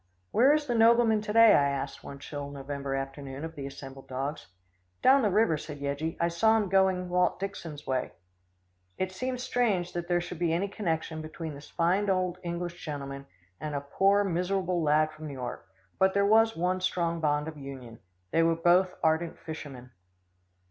"Where is the nobleman to day?" I asked one chill November afternoon of the assembled dogs. "Down the river," said Yeggie. "I saw him going Walt Dixon's way." It seemed strange that there should be any connection between this fine old English gentleman and a poor miserable lad from New York, but there was one strong bond of union. They were both ardent fishermen.